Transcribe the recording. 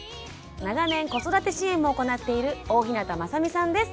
長年子育て支援も行っている大日向雅美さんです。